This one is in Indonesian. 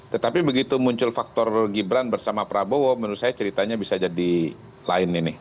tetapi begitu muncul faktor gibran bersama prabowo menurut saya ceritanya bisa jadi lain ini